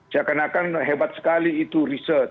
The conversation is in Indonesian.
seakan akan hebat sekali itu riset